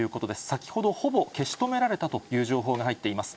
先ほど、ほぼ消し止められたという情報が入っています。